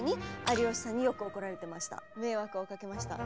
迷惑をかけました。